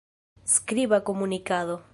Skriba komunikado.